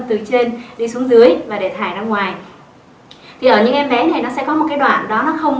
từ trên đi xuống dưới và để thải ra ngoài thì ở những cái bé này nó sẽ có một cái đoạn đó nó không